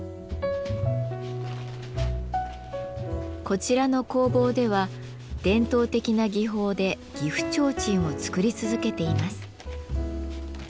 こちらの工房では伝統的な技法で岐阜提灯を作り続けています。